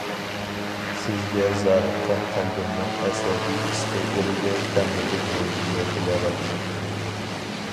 ... سىزگە زارىققان قەلبىمنىڭ ئەسەبىي ئىستەكلىرىگە تەڭرىدىن مۆجىزە تىلەۋاتىمەن!